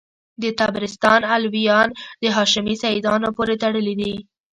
د طبرستان علویان د هاشمي سیدانو پوري تړلي دي.